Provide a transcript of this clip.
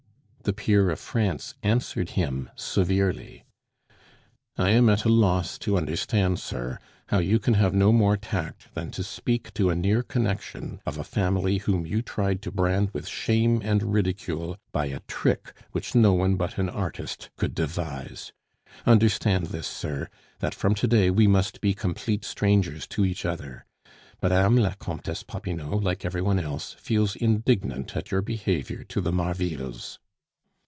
The peer of France answered him severely: "I am at a loss to understand, sir, how you can have no more tact than to speak to a near connection of a family whom you tried to brand with shame and ridicule by a trick which no one but an artist could devise. Understand this, sir, that from to day we must be complete strangers to each other. Mme. la Comtesse Popinot, like every one else, feels indignant at your behavior to the Marvilles."